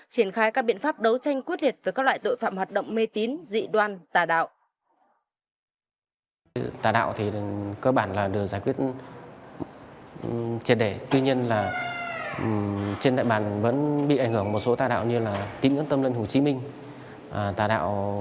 triển khai các biện pháp đấu tranh quyết liệt với các loại tội phạm hoạt động mê tín dị đoan tà đạo